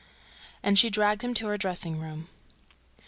And she dragged him to her dressing room.